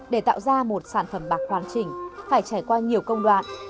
để tạo ra một sản phẩm bạc hoàn chỉnh phải trải qua nhiều công đoạn